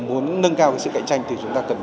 muốn nâng cao cái sự cạnh tranh thì chúng ta cần